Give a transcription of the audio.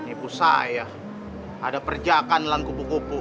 ibu saya ada perjakan dalam kupu kupu